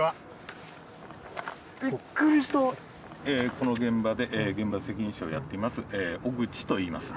この現場で現場責任者をやっています小口といいます。